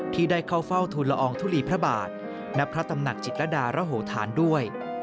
ที่ได้เข้าเฝ้าทุนละอองทุลีพระบาทณพระตำหนักจิตรดารโหธานด้วย